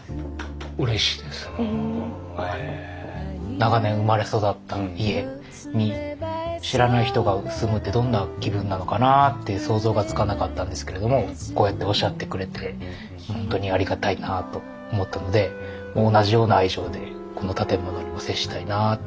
長年生まれ育った家に知らない人が住むってどんな気分なのかなって想像がつかなかったんですけれどもこうやっておっしゃってくれて本当にありがたいなと思ったのでほいじゃ頑張って。